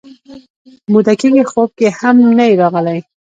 موده کېږي خوب کې هم نه یې راغلی